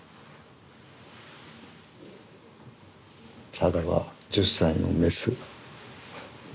ファダは１０歳のメス。